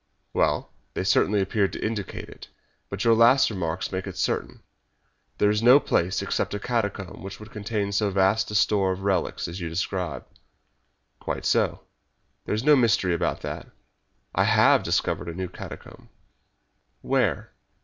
"Well, they certainly appeared to indicate it, but your last remarks make it certain. There is no place except a catacomb which could contain so vast a store of relics as you describe." "Quite so. There is no mystery about that. I HAVE discovered a new catacomb." "Where?"